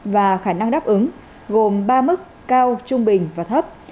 và khả năng đáp ứng gồm ba mức cao trung bình và thấp